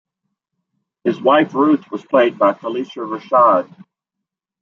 His wife Ruth was played by Phylicia Rashad.